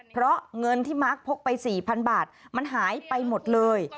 เพราะเงินที่มาร์คพกไป๔๐๐๐บาทมันหายไปหมดเลย